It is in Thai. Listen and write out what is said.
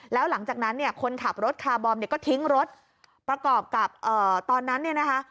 แล้วหลังจากนั้นเนี่ยคนขับรถคาร์บอมเนี่ยก็ทิ้งรถประกอบกับตอนนั้นเนี่ยนะคะ